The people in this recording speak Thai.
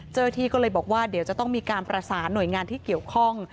เจ้าหน้าที่ก็เลยบอกว่าเดี๋ยวจะต้องมีการประสานหน่วยงานที่เกี่ยวข้อง